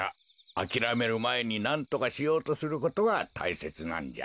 あきらめるまえになんとかしようとすることがたいせつなんじゃ。